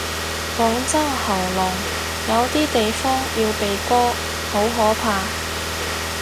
廣州喉嚨，有啲地方要鼻哥，好可怕。